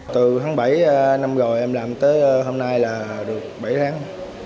từ tháng bảy năm rồi em làm tới hôm nay là được bảy tháng